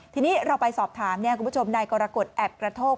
ทีนี้เราไปสอบถามคุณผู้ชมนายกรกฎแอบกระโทก